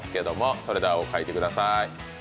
それでは書いてください